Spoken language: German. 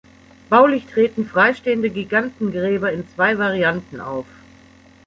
Baulich treten freistehende Gigantengräber in zwei Varianten auf.